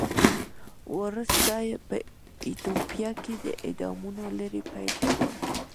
ورسته په ایتوپیا کې د اعدامونو لړۍ پیل شوه.